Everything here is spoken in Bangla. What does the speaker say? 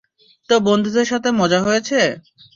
তো, বন্ধুদের সাথে মজা হয়েছে?